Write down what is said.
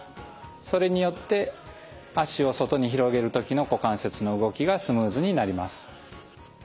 それによって脚を外に広げる時の股関節の動きがスムーズになります。